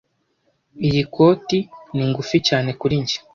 Iyi koti ni ngufi cyane kuri njye.